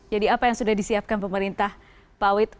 jadi apa yang sudah disiapkan pemerintah pak wit